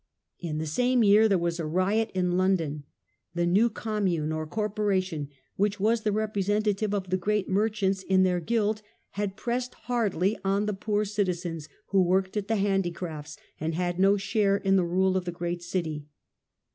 In the same year there was a riot in London. The new * commune' or corporation, which was the representative of the great merchants in their guild, had pressed hardly on the poorer citizens, who worked at the handicrafts and had no share in the rule of the great city.